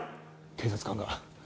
警察官が